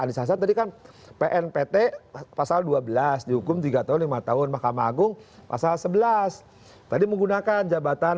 aldisa tadi kan pn pt pasal dua belas dihukum tiga ratus dua puluh lima tahun mahkamah agung pasal sebelas tadi menggunakan jabatan